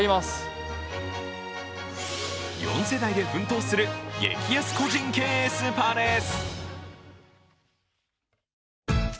４世代で奮闘する激安個人経営スーパーです。